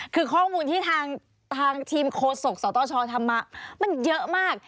คือข้อมูลที่ทางทีมโคศกสตชทำมามันเยอะมาก